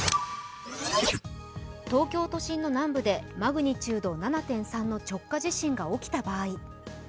東京都心の南部でマグニチュード７．３の直下地震が起きた場合。